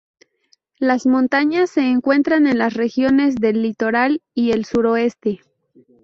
Las montañas se encuentran en las regiones del Litoral y el Suroeste.